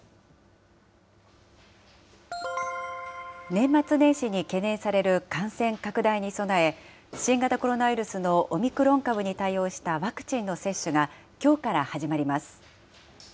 年末年始に懸念される感染拡大に備え、新型コロナウイルスのオミクロン株に対応したワクチンの接種が、きょうから始まります。